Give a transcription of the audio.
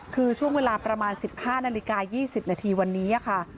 คือช่วงเวลาประมาณ๑๕นาฬิกา๒๐นาทีวันนี้ค่ะ